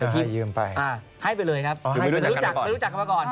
ให้ไปเลยครับไปรู้จักกันมาก่อน